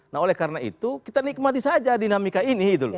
nah oleh karena itu kita nikmati saja dinamika ini gitu loh